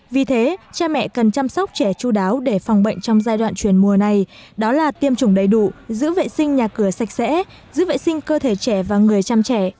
vì thế cha mẹ cần chăm sóc trẻ chú đáo để phòng bệnh trong giai đoạn chuyển mùa này đó là tiêm chủng đầy đủ giữ vệ sinh nhà cửa sạch sẽ giữ vệ sinh cơ thể trẻ và người chăm trẻ